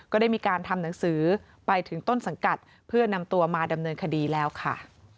ก็ได้มีการทำหนังสือไปถึงต้นสังกัดเพื่อนำตัวมาดำเนินคดีแล้วค่ะ